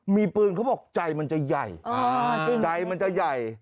มีปืนเขาบอกใจมันจะใหญ่